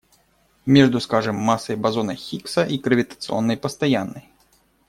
Между, скажем, массой бозона Хиггса и гравитационной постоянной.